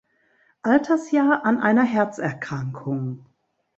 Altersjahr an einer Herzerkrankung.